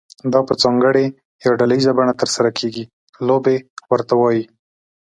دا په ځانګړې یا ډله ییزه بڼه ترسره کیږي لوبې ورته وایي.